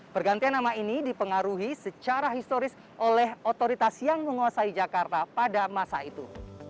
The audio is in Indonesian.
pergantian nama ini dipengaruhi secara historis oleh otoritas yang menguasai jakarta pada masa itu